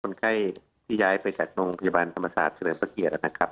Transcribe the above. คนไข้ที่ย้ายไปจากโรงพยาบาลธรรมศาสตร์เฉลิมพระเกียรตินะครับ